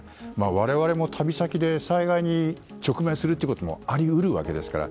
我々も旅先で災害に直面することもあり得るわけですから。